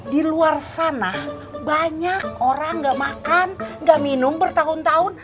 di luar sana banyak orang nggak makan nggak minum bertahun tahun